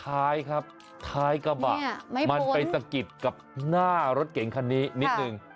ท้ายครับท้ายกระบะมันไปสะกิดกับหน้ารถเก่งคันนี้นิดนึง